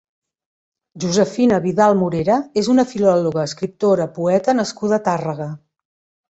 Josefina Vidal Morera és una filòloga, escriptora, poeta nascuda a Tàrrega.